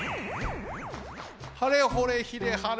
はれほれひれはれ。